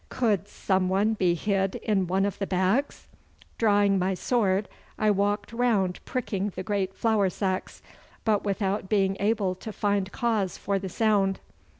Could some one be hid in one of the bags? Drawing my sword I walked round pricking the great flour sacks, but without being able to find cause for the sound.